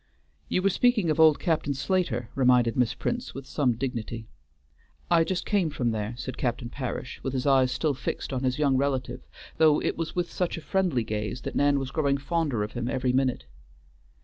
"You were speaking of old Captain Slater," reminded Miss Prince with some dignity. "I just came from there," said Captain Parish, with his eyes still fixed on his young relative, though it was with such a friendly gaze that Nan was growing fonder of him every minute.